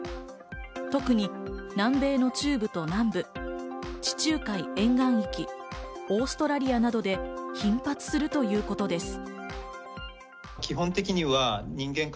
特に南米の中部と南部、地中海沿岸域、オーストラリアなどで頻発するということです。